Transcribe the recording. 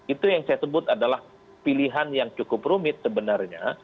itu yang saya sebut adalah pilihan yang cukup rumit sebenarnya